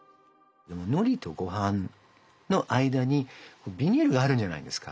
のりとごはんの間にビニールがあるじゃないですか。